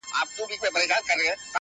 دلته شهیدي جنازې ښخېږي-